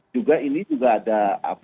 juga ini juga ada